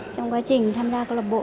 trong quá trình tham gia câu lạc bộ